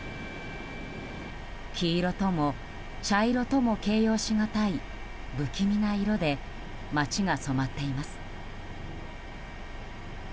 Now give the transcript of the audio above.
黄色とも茶色とも形容しがたい不気味な色で街が染まっています。